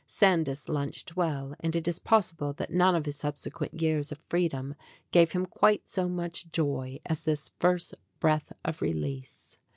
Sandys lunched well, and it is possible that none of his subsequent years of freedom gave him quite so much joy as this first breath of release.